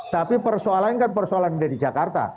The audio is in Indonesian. tapi persoalan kan persoalan dari jakarta